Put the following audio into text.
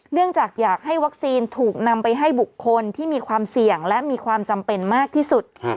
จากอยากให้วัคซีนถูกนำไปให้บุคคลที่มีความเสี่ยงและมีความจำเป็นมากที่สุด